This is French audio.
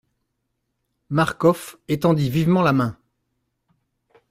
Marcof étendit vivement la main.